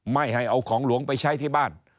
ไม่ให้เอาของหลวงไปใช้ที่บ้าน